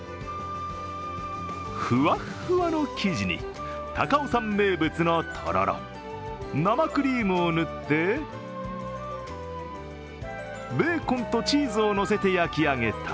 ふわっふわの生地に高尾山名物のとろろ、生クリームを塗ってベーコンとチーズをのせて焼き上げた、